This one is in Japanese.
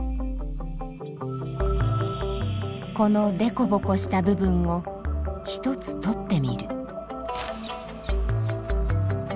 このでこぼこした部分を１つ取ってみる。